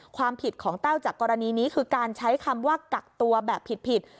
ความผิดของแต้วจากกรณีนี้คือการใช้คำว่ากักตัวแบบผิด